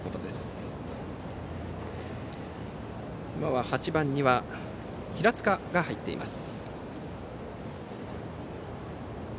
今は８番には平塚が入っています。